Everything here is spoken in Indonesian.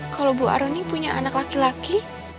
kalau bu aroni punya anak laki laki